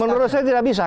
menurut saya tidak bisa